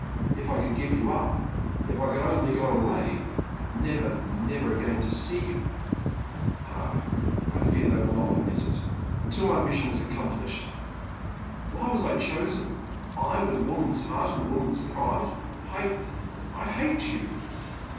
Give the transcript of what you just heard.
If I could give it up — ^if I could only go away, — never, never again to see you ! Ah, I fear they will not permit it !— until my mission is accomplished. Why was I chosen, — I, with a woman's heart and a woman's pride. I — ^I hate you!"